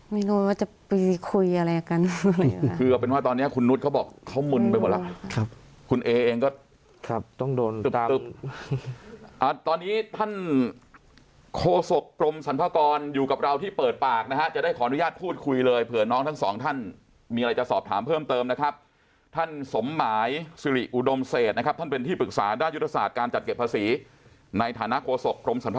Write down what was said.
ไม่รู้ว่าจะไปคุยอะไรกันคือเอาเป็นว่าตอนนี้คุณนุษย์เขาบอกเขามึนไปหมดแล้วครับคุณเอเองก็ครับต้องโดนตอนนี้ท่านโคศกกรมสรรพากรอยู่กับเราที่เปิดปากนะฮะจะได้ขออนุญาตพูดคุยเลยเผื่อน้องทั้งสองท่านมีอะไรจะสอบถามเพิ่มเติมนะครับท่านสมหมายสิริอุดมเศษนะครับท่านเป็นที่ปรึกษาด้านยุทธศาสตร์การจัดเก็บภาษีในฐานะโฆษกรม